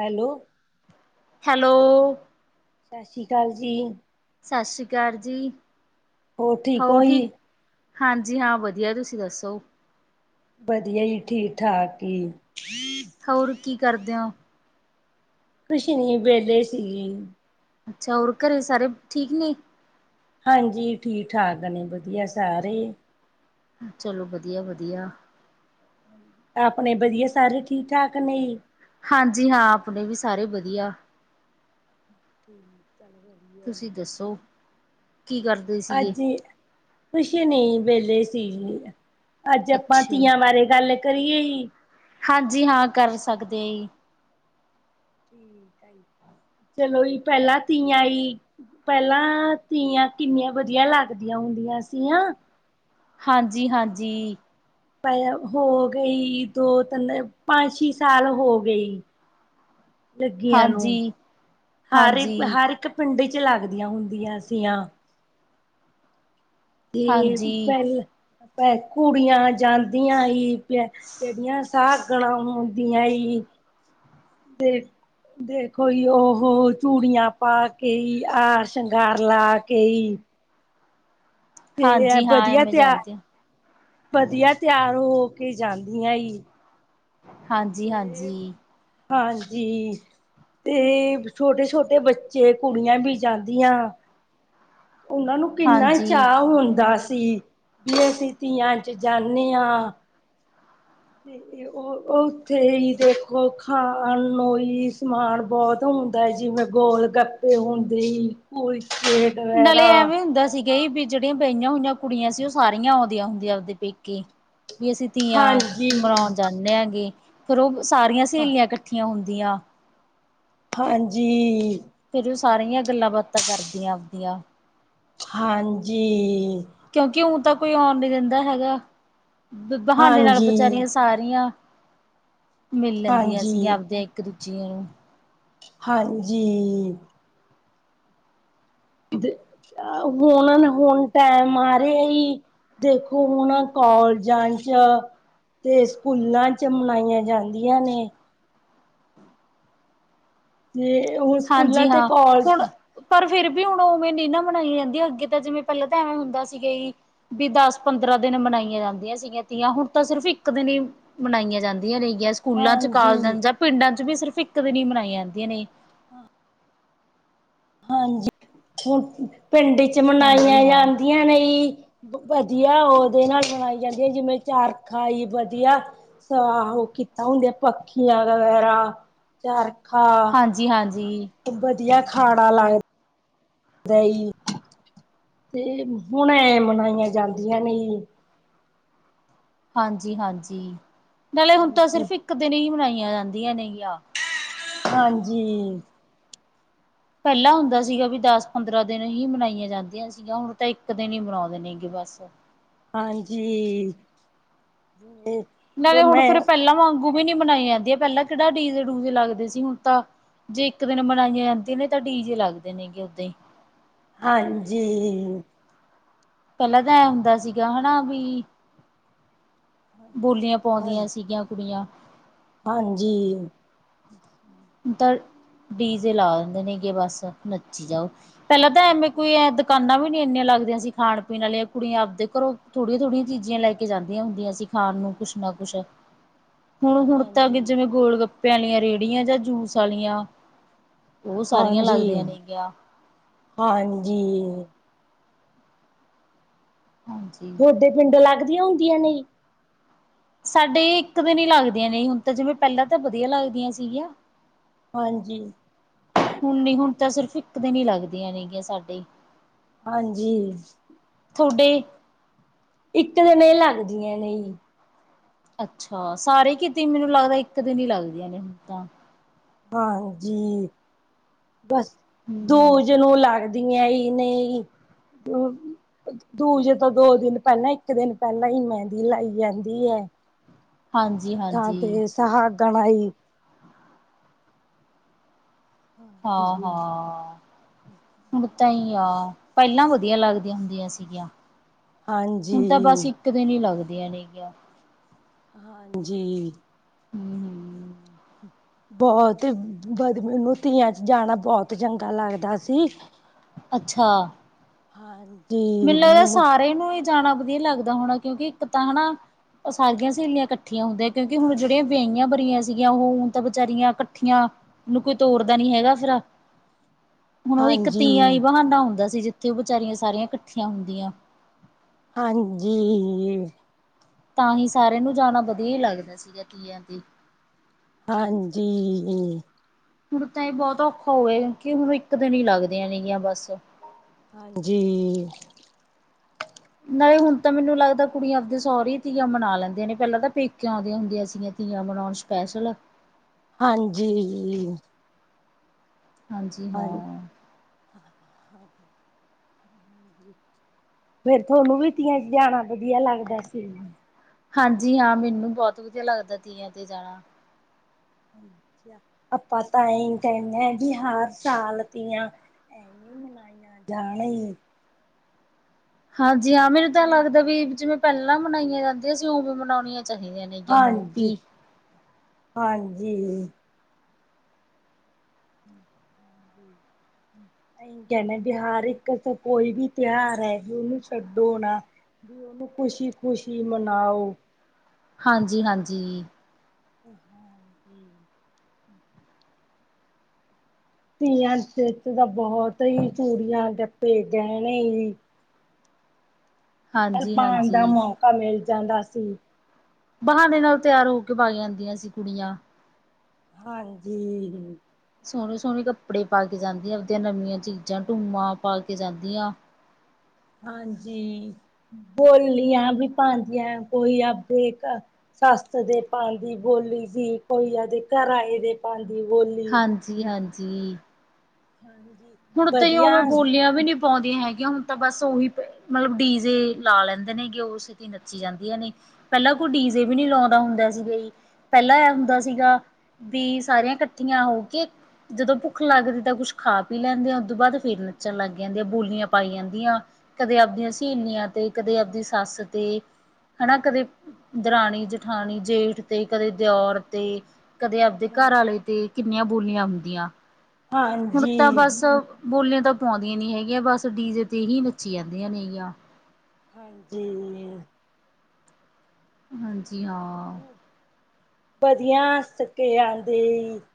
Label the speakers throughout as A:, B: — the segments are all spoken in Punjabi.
A: ਹੈਲੋ।
B: ਹੈਲੋ।
A: ਸਸ ਸ਼੍ਰੀ ਕਾਲ ਜੀ।
B: ਸਸ ਸ਼੍ਰੀ ਅਕਾਲ ਜੀ। ਹੋਰ ਠੀਕ ਹਾਂਜੀ ਹਾਂ। ਵਧੀਆ ਤੁਸੀਂ ਦੱਸੋ?
A: ਵਧੀਆ ਜੀ, ਠੀਕ-ਠਾਕ ਈ।
B: ਹੋਰ ਕੀ ਕਰਦੇ ਓ?
A: ਕੁੱਛ ਨੀ ਵਿਹਲੇ ਸੀਗੀ।
B: ਅੱਛਾ। ਹੋਰ ਘਰੇ ਸਾਰੇ ਠੀਕ ਨੇ?
A: ਹਾਂਜੀ। ਠੀਕ-ਠਾਕ ਨੇ ਵਧੀਆ ਸਾਰੇ।
B: ਚਲੋ ਵਧੀਆ-ਵਧੀਆ।
A: ਆਪਣੇ ਵਧੀਆ ਸਾਰੇ ਠੀਕ-ਠਾਕ ਨੇ?
B: ਹਾਂਜੀ। ਹਾਂ ਆਪਣੇ ਵੀ ਸਾਰੇ ਵਧੀਆ
A: ਠੀਕ ਚੱਲ ਫੇਰ
B: ਤੁਸੀਂ ਦੱਸੋ, ਕੀ ਕਰ
A: ਅੱਜ, ਕੁਛ ਨਹੀਂ ਵੇਲੇ ਸੀਗੀ ਮੈ। ਅੱਜ ਆਪਾਂ
B: ਅੱਛਾ ਜੀ,
A: ਤੀਆਂ ਬਾਰੇ ਗੱਲ ਕਰੀਏ ਜੀ।
B: ਹਾਂਜੀ। ਹਾਂ ਕਰ ਸਕਦੇ ਜੀ।
A: ਠੀਕ ਐ ਜੀ, ਚਲੋ ਜੀ ਪਹਿਲਾਂ ਤੀਆਂ ਆਈ ਪਹਿਲਾਂ ਤੀਆਂ ਕਿੰਨੀਆਂ ਵਧੀਆ ਲੱਗਦੀਆਂ ਹੁੰਦੀਆਂ ਸੀਆਂ।
B: ਹਾਂਜੀ ਹਾਂਜੀ।
A: ਹੋ ਗਈ ਦੋ-ਤਿੰਨ ਪੰਜ- ਛੇ ਸਾਲ ਹੋ ਗਈ। ਲੱਗੀਆਂ ਨੂੰ,
B: ਹਾਂਜੀ
A: ਹਰ ਇੱਕ,
B: ਹਾਂਜੀ
A: ਹਰ ਇੱਕ ਪਿੰਡ ਚ ਲੱਗਦੀਆਂ ਹੁੰਦੀਆਂ ਸੀਆਂ। ਤੇ
B: ਹਾਂਜੀ
A: ਪਹਿਲ- ਪਹਿਲ ਕੁੜੀਆਂ ਜਾਂਦੀਆਂ ਆਈ। ਤੇ ਜਿਹੜੀਆਂ ਸਾਗੁਣਾ ਹੁੰਦੀਆਂ ਆਈ। ਦੇਖੋ ਜੀ ਉਹ ਚੂੜੀਆਂ ਪਾ ਕੇ ਈ, ਆਰ ਸ਼ਿੰਗਾਰ ਲਾ ਕੇ ਈ ਤੇ
B: ਹਾਂਜੀ
A: ਐਨ
B: ਹਾਂ
A: ਵਧੀਆ
B: ਐਵੇਂ
A: ਤਿਆਰ,
B: ਜਾਂਦੇ
A: ਵਧੀਆ ਤਿਆਰ ਹੋ ਕੇ ਜਾਂਦੀਆਂ ਆਈ।
B: ਹਾਂਜੀ ਹਾਂਜੀ
A: ਹਾਂਜੀ ਤੇ ਛੋਟੇ -ਛੋਟੇ ਬੱਚੇ ਕੁੜੀਆਂ ਵੀ ਜਾਂਦੀਆਂ। ਉਹਨਾਂ ਨੂੰ ਕਿੰਨਾ
B: ਹਾਂਜੀ
A: ਚਾਅ ਹੁੰਦਾ ਸੀ, ਵੀ ਅਸੀਂ ਧੀਆਂ ਚ ਜਾਂਦੇ ਹਾਂ। ਤੇ ਉਹ ਉੱਥੇ ਹੀ ਦੇਖੋ, ਖਾਣ ਨੂੰ ਹੀ ਸਮਾਨ ਬਹੁਤ ਹੁੰਦਾ ਜਿਵੇਂ, ਗੋਲ ਗੱਪੇ ਹੁੰਦੇ ਕੁਲਚੇ
B: ਨਾਲੇ
A: ਵਗੈਰਾ
B: ਐਵੇਂ ਹੁੰਦਾ ਸੀਗਾ, ਵੀ ਜਿਹੜੀਆਂ ਬਹੀਆਂ ਹੋਈਆਂ ਕੁੜੀਆਂ ਸੀ, ਉਹ ਸਾਰੀਆਂ ਆਉਂਦੀਆਂ ਹੁੰਦੀਆਂ ਆਪਦੇ ਪੇਕੇੀ। ਵੀ ਅਸੀਂ ਤੀਆਂ
A: ਹਾਂਜੀ
B: ਮਨਾਉਣ ਜਾਂਦੇ ਹਾਂਗੇ, ਫੇਿਰ ਉਹ ਸਾਰੀਆਂ ਸਹੇਲੀਆਂ ਇਕ ਇਕੱਠੀਆਂ ਹੁੰਦੀਆਂ।
A: ਹਾਂਜੀ
B: ਫੇਿਰ, ਉਹ ਸਾਰੀਆਂ ਗੱਲਾਂ ਬਾਤਾਂ ਕਰਦੀਆਂ ਆਪਦੀਆਂ।
A: ਹਾਂਜੀ
B: ਕਿਉਂਕਿ, ਊ ਤਾਂ ਕੋਈ ਆਉਣ ਨੀ ਦਿੰਦਾ ਹੈਗਾ, ਬਹਾਨੇ ਨਾਲ
A: ਹਾਂਜੀ
B: ਬੇਚਾਰੀਆਂ ਸਾਰੀਆਂ, ਮਿਲ ਲੈਂਦੀਆਂ ਸੀਗੀਆਂ,
A: ਹਾਂਜੀ
B: ਆਪਦੇ ਇੱਕ ਦੂਜੇ ਨੂੰ
A: ਹਾਂਜੀ ਹੁਣ -ਹੁਣ ਟੈਮ ਆ ਰਿਹਾ ਹੀ। ਦੇਖੋ, ਹੁਣ ਕੋਾਲਜਾਂ ਚ ਤੇ ਸਕੂਲਾਂ ਚ, ਮਨਾਈਆਂ ਜਾਂਦੀਆਂ ਨੇ ਤੇ ਹੁਣ, ਸਕੂਲਾਂ
B: ਹਾਂਜੀ
A: ਤੇ
B: ਹਾਂ
A: ਕੋਾਲਜ
B: ਹੁਣ ਪਰ, ਫ਼ਿਰ ਵੀ ਹੁਣ ਉਵੇਂ ਨਹੀਂ ਨਾ ਬਨਾਈਆ ਜਾਂਦੀਆਂ ਅੱਗੇ ਤਾਂ ਜਿਵੇਂ, ਪਹਿਲਾਂ ਤਾਂ ਐਵੇਂ ਹੁੰਦਾ ਸੀਗਾ। ਵੀ ਦਸ, ਪੰਦਰਾਂ ਦਿਨ ਮਨਾਈਆਂ ਜਾਂਦੀਆਂ ਸੀਗੀਆਂ ਤੀਆਂ, ਹੁਣ, ਤਾਂ ਸਿਰਫ ਇੱਕ ਦਿਨ ਹੀ। ਮਨਾਈਆਂ ਜਾਂਦੀਆਂ ਨੇਗੀਆਂ, ਸਕੂਲਾਂ ਚ ਕਾਲਜਾਂ
A: ਹਾਂਜੀ
B: ਜਾਂ ਪਿੰਡਾਂ ਚ ਵੀ ਸਿਰਫ਼ ਇੱਕ ਦਿਨ ਹੀ ਮਨਾਈਆਂ ਜਾਂਦੀਆਂ ਨੇ
A: ਹਾਂਜੀ, ਹੁਣ ਪਿੰਡ ਚ
B: ਹਾਂਜੀ
A: ਮਨਾਈਆਂ
B: ਹਾਂ
A: ਜਾਂਦੀਆਂ ਨੇ ਵਧੀਆ, ਉਹਦੇ ਨਾਲ ਬਣਾਈ ਜਾਂਦੀ ਹੈ ਜਿਵੇਂ, ਚਾਰਖਾਈ ਵਧੀਆ ਸ ਉਹ ਕੀਤਾ ਹੁੰਦੀਆਂ, ਪੱਖੀਆਂ ਵਗੈਰਾ, ਚਰਖਾ
B: ਜੀ ਹਾਂਜੀ
A: ਵਧੀਆ, ਖਾਣਾ ਲਾਏ। ਤੇ ਹੁਣ ਐ, ਮਨਾਈਆਂ ਜਾਂਦੀਆਂ ਨੇ ਜੀ।
B: ਹਾਂਜੀ -ਹਾਂਜੀ ਨਾਲੇ ਹੁਣ ਤਾਂ
A: ਹਾਂਜੀ
B: ਸਿਰਫ਼ ਇੱਕ ਦਿਨ ਹੀ, ਮਨਾਈਆਂ ਜਾਂਦੀਆਂ ਨੇਗੀਆਂ।
A: ਹਾਂਜੀ
B: ਪਹਿਲਾਂ ਹੁੰਦਾ ਸੀਗਾ ਵੀ ਦਸ, ਪੰਦਰਾਂ ਦਿਨ ਹੀ ਮਨਾਈਆਂ ਜਾਂਦੀਆਂ ਸੀਗੀਆਂ, ਹੁਣ ਤਾਂ ਇੱਕ ਦਿਨ ਹੀ ਮਨਾਉਂਦੇ ਨੇ ਇ ਬਸ
A: ਹਾਂਜੀ
B: ਨਹੀਂ ਹੁਣ
A: ਮੈਂ
B: ਫੇਰ, ਪਹਿਲਾਂ ਵਾਂਗੂ ਵੀ ਨੀ ਮਨਾਈਆਂ ਜਾਂਦੀਆਂ, ਪਹਿਲਾਂ ਕਿਹੜਾ ਡੀਜ਼ੇ ਡੂਜੇ ਲੱਗਦੇ ਸੀ, ਹੁਣ ਤਾਂ ਜੇ ਇੱਕ ਦਿਨ ਮਨਾਈਆਂ ਜਾਂਦੀਆਂ ਨੇ, ਤਾਂ ਡੀ ਜੇ ਲੱਗਦੇ ਨੇਗੇ ਉਓਦਾਂ ਹੀ।
A: ਹਾਂਜੀ
B: ਪਹਿਲਾਂ ਤਾਂ ਐ ਹੁੰਦਾ ਸੀਗਾ, ਹਨਾ ਬ ਬੋਲੀਆਂ, ਪਾਉਂਦੀਆਂ
A: ਹਾਂਜੀ
B: ਸੀਗੀਆਂ, ਕੁੜੀਆਂ
A: ਹਾਂਜੀ
B: ਤਾਂ ਡੀਜੇ ਲਾ ਦਿੰਦੇ ਨੇ ਕਿ, ਬਸ ਨੱਚੀ ਜਾਓ। ਪਹਿਲਾਂ ਤਾਂ ਐਵੇਂ, ਕੋਈ ਐ ਦੁਕਾਨਾਂ ਵੀ ਨੀ ਇੰਨੀਆਂ ਲੱਗਦੀਆਂ ਸੀ, ਖਾਣ ਪੀਣ ਵਾਲੀਆਂ ਕੁੜੀਆਂ ਆਪਦੇ ਘਰੋਂ ਥੋੜੀਆਂ, ਥੋੜੀਆਂ ਚੀਜ਼ੀਆਂ ਲੈ ਕੇ ਜਾਂਦੀਆਂ ਹੁੰਦੀਆਂ ਸੀ, ਖਾਣ ਨੂੰ ਕੁਛ ਨਾ ਕੁੱਛ
A: ਹ [unintelligible]
B: ਹੁਣ ਹੁਣ ਤਾਂ ਅੱ, ਜਿਵੇਂ ਗੋਲ ਗੱਪਿਆਂ ਵਾਲੀਆਂ ਰੇਹੜੀਆਂ ਜਾਂ ਜੂਸ ਵਾਲੀਆਂ। ਉਹ ਸਾਰੀਆਂ ਲੱਗਦੀਆਂ
A: ਹਾਂਜੀ-
B: ਨੇਗੀਆਂ
A: ਹਾਂਜੀ,
B: ਹਾਂਜੀ [unintelligible]
A: ਤੁਹਾਡੇ ਪਿੰਡ ਲੱਗਦੀਆਂ ਹੁੰਦੀਆਂ ਨੇ,।
B: ਸਾਡੇ ਇੱਕ ਦਿਨ ਹੀ ਲੱਗਦੀਆਂ ਨੇ, ਹੁਣ ਤਾਂ ਜਿਵੇਂ ਪਹਿਲਾਂ ਤਾਂ ਵਧੀਆ ਲੱਗਦੀਆਂ ਸੀਗੀਆਂ।
A: ਹਾਂਜੀ,।
B: ਹੁਣ ਨ ਹੁਣ ਤਾਂ ਸਿਰਫ਼ ਇੱਕ ਦਿਨ ਹੀ ਲੱਗਦੀਆਂ ਨੇਗੀਆਂ ਸਾਡੇ ਹੀ,।
A: ਹਾਂਜੀ।
B: ਥੋਡੇ
A: ਇੱਕ ਦਿਨ ਇਹ ਲੱਗਦੀਆਂ ਨਹੀਂ।
B: ਅੱਛਾ ਸਾਰੇ ਕੀਤੀ ਮੈਨੂੰ ਲੱਗਦਾ ਇੱਕ ਦਿਨ ਹੀ ਲੱਗਦੀਆਂ ਨੇ ਹੁਣ ਤਾਂ।
A: ਆਓ ਜੀ। ਬਸ
B: ਹੂੰ
A: ਦੂਜ ਨੂੰ ਲਾਗ ਤੀਆਂ ਹੀ ਨਈ ਹਮ। ਦੂਜ ਤੋ ਇਕ ਦਿਨ ਪੈਲਾ ਈ ਇੱਕ ਦਿਨ ਪਹਿਲਾਂ ਹੀ ਮਹਿੰਦੀ ਲਾਈ ਯਾਂਦੀ ਐ।
B: ਹਾਂਜੀ
A: ੱਥਾਂ
B: ਹਾਂਜੀ
A: ਤੇ ਸਹਾਗਣ ਦੀ ਦਿਨ ਆ ਆਈ,
B: ਹਾਂ
A: ਹਾਂਜੀ।
B: ਹਾਂ ਹਣ ਤਾਂ ਹੀ ਆ, ਪਹਿਲਾਂ ਵਧੀਆ ਲੱਗਦੀਆਂ ਹੁੰਦੀਆਂ ਸੀਗੀਆਂ ਹੁਣ ਤਾਂ ਬਸ
A: ਹਾਂਜੀ,
B: ਇੱਕ। ਦਿ ਨੀ ਲੱਗਦੀਆਂ ਨੇਗੀਆਂ।
A: ਹਾਂਜੀ।
B: ਹਮ -ਹਮ [unintelligible]
A: ਬਹੁਤ ਬ ਮੈਨੂੰ ਤੀਆਂ ਚ ਜਾਣਾ ਬਹੁਤ ਚੰਗਾ ਲੱਗਦਾ ਸੀ।
B: ਅੱਛਾ।
A: ਹਾਂਜੀ।
B: ਮੈਨੂੰ ਇਹਦਾ ਸਾਰੇਿਆਂ ਨੂੰ ਹੀ ਜਾਣਾ ਵਧੀਆ ਲੱਗਦਾ ਹੋਣਾ ਕਿਉਂਕਿ ਇੱਕ ਤਾਂ ਹਨਾ ਉਹ ਸਾਰੀਆਂ ਸਹੇਲੀਆਂ ਇਕੱਠੀਆਂ ਹੁੰਦੀਆਂ ਕਿਉਂਕਿ ਹੁਣ ਜਿਹੜੀਆਂ ਵਿਆਹੀਆਂ ਬਰੀਆਂ ਸੀਗੀਆਂ ਉਹ ਹੁਣ ਤਾਂ ਬੇਾਰੀਆਂ ਇਕੱਠੀਆਂ? ਓ ਹਨੂੰ ਕੋਈ ਤੋਰਦਾ ਨੀ ਹੈਗਾ ਫਰਾ
A: [unintelligible]
B: ਹੁਣ ਉਹ ਇੱਕ ਤੀਆਂ ਹੀ
A: ਹਾਂਜੀ,
B: ਬਹਾਂਡਾ ਹੁੰਦਾ ਸੀ ਜਿੱਥੇ ਉਹ ਬਾਰੀਆਂ ਸਾਰੀਆਂ ਇਕੱਠੀਆਂ ਹੁੰਦੀਆਂ।
A: ਹਾਂਜੀ।
B: ਤਾਂ ਹੀ ਸਾਰਿਆਂ ਨੂੰ ਜਾਣਾ ਵਧੀਆ ਹੀ ਲੱਗਦਾ ਸੀਗਾ ਕੀ ਆ।
A: ਹਾਂਜੀ।
B: ਹੁਣ ਤਾਂ ਇਹ ਬਹੁਤ ਔਖਾ ਹੋਆ ਕਿਉਕਿ ਹੁਣ ਇੱਕ ਦਿਨ ਹੀ ਲੱਗਦੀਆਂ ਨੇਗੀਆਂ ਬਸ
A: ਹਾਂਜੀ।
B: ਨਾਲੇ ਹੁਣ ਤਾਂ ਮੈਨੂੰ ਲੱਗਦਾ ਕੁੜੀਆਂ ਆਪਦੇ ਸਹੁਰ ਧੀਆਂ ਮਨਾ ਲੈਂਦੀਆਂ ਨੇ ਪਹਿਲਾਂ ਤਾਂ ਪੇਕਿਆਂ ਦੀਆਂ ਹੁੰਦੀਆਂ ਸੀ। ਧੀਆਂ ਬਣਾਉਣ ਸਪੈਸ਼ਲ ਆ
A: ਹਾਂਜੀ।
B: ਹਾਂਜੀ ਹਾਂ।
A: ਹਾਂ ਹਾਂਜੀ [unintelligible] ਫੇਰ ਤੁਹਾਨੂੰ ਵੀ ਤੀਆਂ ਜਾਣਾ ਵਧੀਆ ਲੱਗਦਾ ਸੀ।
B: ਹਾਂਜੀ ਹਾਂ ਮੈਨੂੰ ਬਹੁਤ ਵਧੀਆ ਲੱਗਦਾ ਤੀਆਂ ਤੇ ਜਾਣਾ।
A: ਆਪਾਂ ਤਾਂ ਹੀ ਕਹਿੰਦੇ ਹ ਵੀ ਹਰ ਸਾਲ ਦੀਆਂ। ਮਨਾਈਆਂ ਜਾਣ।
B: ਹਾਂਜੀ ਹਾਂ ਮੈਨੂੰ ਤਾਂ ਲੱਗਦਾ ਵੀ ਜਿਵੇਂ ਪਹਿਲਾਂ ਮਨਾਈਆਂ ਜਾਂਦੀਆਂ ਸੀ ਉਵੇਂ ਮਨਾਉਣੀਆਂ ਚਾਹੀਦੀਆਂ ਨੇ?
A: ਹਾਂਜੀ-ਹਾਂਜੀ। ਹਮ ਹਾਂਜੀ ਹ [unintelligible] [unintelligible] ਕਹਿੰਦੇ ਬਿਹਾਰ ਇੱਕ ਕੋਈ ਵੀ ਤਿਉਹਾਰ ਹੈ ਵੀ ਉਹਨੂੰ ਛੱਡੋਣਾ ਵੀ ਉਹਨੂੰ ਖੁਸ਼ੀ ਖੁਸ਼ੀ ਮਨਾਓ, ਜਿਸ।
B: ਹਾਂਜੀ -ਹਾਂਜੀ।
A: ਹਾਂਜੀ ਧੀਆਂ ਚ ਤਾਂ ਬੋਹਤ ਹੀ ਚੂੜੀਆ [unintelligible]
B: ਹਾਂਜੀ
A: ਕਲਪਾਨ ਦਾ
B: ਹਾਂਜੀ
A: ਮੌਕਾ ਮਿਲ ਜਾਂਦਾ ਸੀ।
B: ਬਹਾਨੇ ਨਾਲ ਤਿਆਰ ਹੋ ਕੇ ਵੱਗ ਜਾਂਦੀਆਂ ਸੀ ਕੁੜੀਆਂ।
A: ਹਾਂਜੀ
B: ਸੋਹਣੇ-ਸੋਹਣੇ ਕੱਪੜੇ ਪਾ ਕੇ ਜਾਂਦੀਆਂ ਆਪਦੀਆਂ ਨਵੀਆਂ ਚੀਜ਼ਾਂ ਟੂਮਾਂ ਪਾ ਕੇ ਜਾਂਦੀਆ।
A: ਹਾਂਜੀ, ਬੋਲੀਆਂ ਵੀ ਪਾਂਦੀਆ ਕੋਈ ਆਪੇ ਘ ਸੱਸ ਦੇ ਪਾਦੀ ਬੋਲੀ ਸੀ ਕੋਈ ਆਦੇ ਘਰ ਆਏ ਦੇ ਪਾਦੀ ਬੋਲੀ।
B: ਜੀ ਹਾਂਜੀ।
A: ਹਾਂਜੀ
B: ਹੁਣ ਤੇ
A: ਵਧੀਆ
B: ਉਵੇਂ ਬੋਲਿਆ ਵੀ ਨੀ ਪੋਦੀਆ ਹੈਗੀਆਂ ਹੁਣ ਤਾਂ ਬਸ ਉਹੀ ਮਤਲਬ ਡੀਜੇ ਲਾ ਲੈਂਦੇ ਨੇ ਗੇ ਉਸ ਦਿ ਨੱਚੀ ਜਾਂਦੀਆ ਨੇ ਪਹਿਲਾਂ ਕੋਈ ਡੀਜੇ ਵੀ ਨੀ ਲਾਉਂਦਾ ਹੁੰਦਾ ਸੀ ਬਈ ਪਹਿਲਾਂ ਏਹ ਹੁੰਦਾ ਸੀਗਾ ਵੀ ਸਾਰੀਆ ਕੱਠੀਆ ਹੋ ਕੇ ਜਦੋ ਭੁੱਖ ਲੱਗਦੀ ਤਾਂ ਕੁੱਛ ਖਾ ਪੀ ਲੈਂਦੀਆ ਉਹ ਤੋਂ ਬਾਦ ਫਿਰ ਨੱਚਣ ਲੱਗ ਜਾਂਦੀ ਆ ਬੋਲੀਆਂ ਪਾਈ ਜਾਂਦੀਆ। ਕਦੇ ਆਪਦੀਆਂ ਸਹੇਲੀਆਂ ਤੇ, ਕਦੇ ਆਪਦੀ ਸੱਸ ਤੇ ਹਨਾ ਕਦੇ ਦਰਾਣੀ, ਜਠਾਣੀ, ਜੇਠ ਤੇ ਕਦੇ ਦਿਓਰ ਤੇ। ਕਦੇ ਆਪਦੇ
A: ਹਾਂ
B: ਘਰ ਆਲੇ ਤੇ ਕਿੰਨੀਆਂ ਬੋਲੀਆਂ ਹੁੰਦੀਆਂ। ਹੁਣ
A: ਹਾਂਜੀ
B: ਤਾਂ ਬਸ ਬੋਲੀਆਂ ਤਾਂ ਪਾਉਂਦੀਆ ਨੀ ਹੈਗੀਆ ਬਸ ਡੀਜੇ ਤੇ ਹੀ ਨੱਚੀ ਜਾਂਦੀਆ ਨੇ ਗਿਆ।
A: ਹਾਂਜੀ
B: ਹਾਂਜੀ ਹਾਂ।
A: ਵਧੀਆ [unintelligible]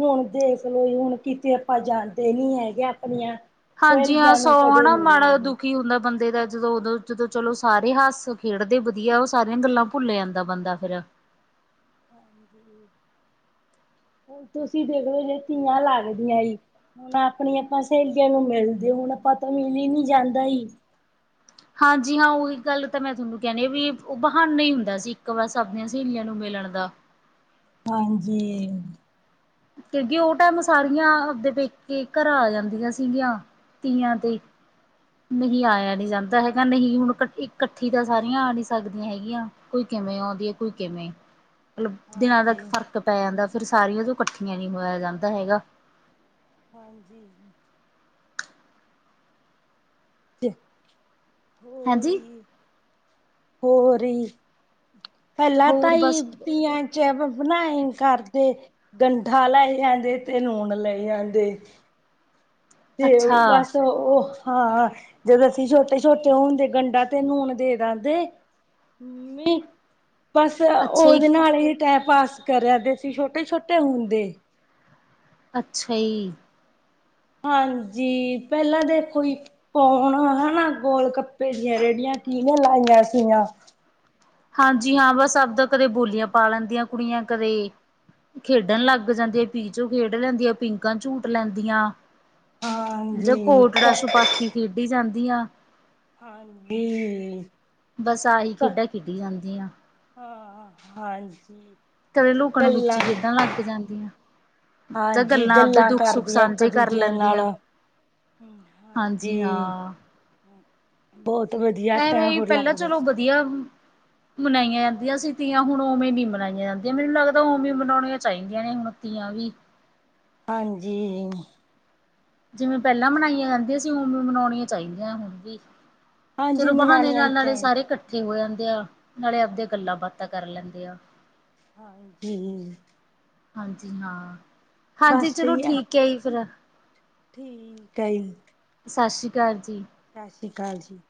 A: ਹੁਣ ਦੇਖ ਲੋ ਹੁਣ ਕਿਤੇ ਆਪਾਂ ਜਾਂਦੇ ਨੀ ਹੈਗੇ ਆਪਣੀਆਂ
B: ਹਾਂਜੀ ਹਾਂ
A: ਸਹੇਲੀਆਂ
B: ਸੋ
A: ਨੂੰ ਕਦੇ
B: ਹਨਾ
A: ਮਿਲਦੇ
B: ਮਾੜਾ
A: ਨੀ
B: ਦੁਖੀ ਹੁੰਦਾ ਬੰਦੇ ਦਾ ਜਦੋਂ ਉਦੋਂ ਜਦੋਂ ਚਲੋ ਸਾਰੇ ਹੱਸ ਖੇਡਦੇ ਵਧੀਆ ਉਹ ਸਾਰੀਆਂ ਗੱਲਾਂ ਭੁੱਲ ਜਾਂਦਾ ਬੰਦਾ ਫੇਰ।
A: ਹੁਣ ਤੁਸੀਂ ਦੇਖਲੋ ਤੀਆਂ ਲੱਗਦੀਆਂ ਜੀ। ਹੁਣ ਆਪਣੀਆਂ ਆਪਾਂ ਸਹੇਲੀਆਂ ਨੂੰ ਮਿਲਦੇ ਹੁਣ ਆਪਾਂ ਤੋਂ ਮਿਲ ਲੀ ਨੀ ਜਾਂਦਾ ਈ।
B: ਹਾਂਜੀ, ਹਾਂ ਉਹੀ ਗੱਲ ਤਾਂ ਮੈਂ ਤੁਹਾਨੂੰ ਕਹਿਣੀ ਏ ਵੀ ਉਹ ਬਹਾਨਾ ਹੀ ਹੁੰਦਾ ਸੀ ਇੱਕ ਬਸ ਆਪਣੀਆਂ ਸਹੇਲੀਆਂ ਨੂੰ ਮਿਲਣ ਦਾ।
A: ਹਾਂਜੀ
B: ਕਿਉਂਕਿ ਉਹ ਟੈਮ ਸਾਰੀਆਂ ਆਪਦੇ ਪੇਕੇ ਘਰਾਂ ਆ ਜਾਂਦੀਆਂ ਸੀਗੀਆਂ ਤੀਆਂ ਤੇ। ਨਹੀਂ ਆਇਆ ਨੀ
A: ਹਾਂਜੀ,
B: ਜਾਂਦਾ ਹੈਗਾ ਨਹੀਂ ਹੁਣ ਇ ਕੱਠੀ ਤਾਂ ਸਾਰੀਆਂ ਆ ਨੀ ਸਕਦੀਆਂ ਹੈਗੀਆਂ ਕੋਈ ਕਿਵੇਂ ਆਉਂਦੀ ਹੈ ਕੋਈ ਕਿਵੇਂ। ਮਲਬ ਦਿਨਾਂ ਤੱਕ
A: ਹਾਂਜੀ,
B: ਫ਼ਰਕ ਪੈ ਜਾਂਦਾ ਫਿਰ ਸਾਰੀਆਂ ਤੋਂ ਕੱਠੀਆਂ ਨੀ ਹੋਇਆ ਜਾਂਦਾ ਹੈਗਾ।
A: ਹਾਂਜੀ [inaudible]
B: ਹਾਂਜੀ
A: ਈ ਹੋਰ ਈ ਪਹਿਲਾਂ ਤਾਂ
B: ਹੋਰ
A: ਹੀ
B: ਬਸ
A: ਤੀਆਂ [unintelligible] ਬਣਾਈ ਕਰਦੇ ਗੰਠਾ ਲੈਈ ਆਂਦੇ ਤੇ ਨੂਣ ਲੈਈ ਆਦੇ। ਤੇ
B: ਅੱਛਾ
A: ਬਸ ਉਹ ਹਾਂ। ਜਦੋਂ ਅਸੀਂ ਛੋਟੇ-ਛੋਟੇ ਹੁੰਦੇ ਗੰਡਾ ਤੇ ਨੂਨ ਦੇ ਦਿੰਦੇ। [unintelligible] ਬਸ
B: ਅੱਛਾ ਜੀ
A: ਉਹਦੇ ਨਾਲ ਹੀ ਟੈਮ ਪਾਸ ਕਰਿਆ ਦੇ ਸੀ ਛੋਟੇ-ਛੋਟੇ ਹੁੰਦੇ।
B: ਅੱਛਾ ਈ।
A: ਹਾਂਜੀ, ਪੈਲਾਂ ਦੇਖੋ ਯੀ ਪੈਲਾਂ ਨਾ, ਗੋਲਗੱਪੇ ਦੀਆਂ ਰੇੜੀਆਂ ਕੀਨੇ ਲਾਈਆਂ ਸੀਆਂ?
B: ਹਾਂਜੀ, ਹਾਂ ਬਸ ਆਪਦਾ ਕਦੇ ਬੋਲੀਆਂ ਪਾ ਲੈਂਦੀਆਂ ਕੁੜੀਆਂ, ਕਦੇ ਖੇਡਣ ਲੱਗ ਜਾਂਦੀ, ਪੀਚੋ ਖੇਡ ਲੈਂਦੀ, ਪੀਂਕਾ ਝੂਟ ਲੈਂਦੀਆਂ। ਜਾ
A: ਹਾਂਜੀ
B: ਕੋਟੜਾ
A: ਹਾਂਜੀ।
B: -ਛਪਾਕੀ ਖੇਡੀ ਜਾਂਦੀਆਂ।
A: ਹਾਂਡੀ
B: ਬਸ, ਆਹੀ ਖੇਡਾਂ ਖੇਡੀ ਜਾਂਦੀਆਂ।
A: ਹਾਂ, ਹਾਂਜੀ।
B: ਕਦੇ, ਲੁਕਣ
A: ਗੱਲਾਂ
B: ਮੀਚੀ ਖੇਡਣ ਲੱਗ ਜਾਂਦੀਆਂ। ਜਾ
A: ਹਾਂਜੀ
B: ਗੱਲਾਂ ਆਪਦੇ ਦੁੱਖ -ਸੁੱਖ
A: ਕਰਦੀਆਂ ਇੱਕ
B: ਸਾਂਝੇ ਕਰ
A: ਦੂਜੇ ਨਾਲ।
B: ਲੈਂਦੀਆਂ। ਹਾਂਜੀ, ਹਾਂ।
A: ਬੌਤ ਵਧੀਆ ਟੈ
B: ਐਵੇਂ ਹੀ
A: ਹੋਰ
B: ਪਹਿਲਾਂ
A: ਲੱਗਦਾ।
B: [unintelligible] ਮਨਾਈਆਂ ਜਾਂਦੀਆਂ ਸੀ ਤੀਆਂ, ਹੁਣ ਉਵੇਂ ਨੀ ਮਨਾਈਆਂ ਜਾਂਦੀਆਂ, ਮੈਨੂੰ ਲੱਗਦਾ ਓਵੇਂ ਮਨਾਣੀਆਂ ਚਾਈਦੀਆਂ ਨੇ ਹੁਨ। ਤੀਆਂ ਵੀ।
A: ਹਾਂਜੀ।
B: ਜਿਵੇਂ ਪੈਲਾਂ ਮਨਾਈਆਂ ਜਾਂਦੀਆਂ ਸੀ, ਉਵੇਂ ਮਨਾਉਣੀਆਂ ਚਾਈਦੀਆਂ ਹੁਣ ਵੀ।
A: ਹਾਂਜੀ
B: ਚਲੋ ਬਹਾਨੇ
A: ਮਨਾਣੀਆਂ
B: ਨਾਲ ਨਾਲੇ ਸਾਰੇ
A: ਚਾਹੀਦੀ
B: ਕੱਠੇ ਹੋ ਜਾਂਦੇ ਆ, ਨਾਲੇ ਆਪਦੇ ਗੱਲਾਂ-ਬਾਤਾਂ ਕਰ ਲੈਂਦੇ ਆ।
A: ਹਾਂਜੀ।
B: ਹਾਂਜੀ ਹਾਂ, ਹਾਂਜੀ
A: ਬਸ
B: ਚਲੋ
A: ਸਹੀ ਆ
B: ਠੀਕ ਐ ਜੀ ਫਿਰ।
A: ਠੀਕ ਐ ਯੀ।
B: ਸਸ ਸ਼ੀ ਕਾਲ ਜੀ।
A: ਸਸ ਸ਼ੀ ਕਾਲ ਜੀ।